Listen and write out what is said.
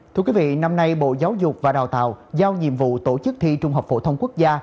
thưa quý vị năm nay bộ giáo dục và đào tạo giao nhiệm vụ tổ chức thi trung học phổ thông quốc gia